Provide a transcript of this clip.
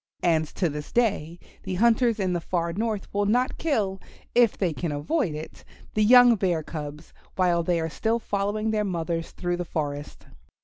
And to this day the hunters in the far north will not kill, if they can avoid it, the young Bear cubs while they are still following their mothers through the forest.